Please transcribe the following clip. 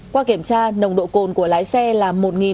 qua kiểm tra nồng độ cồn của lái xe là một nghìn năm trăm một mươi